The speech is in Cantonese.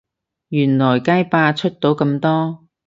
原來街霸出到咁多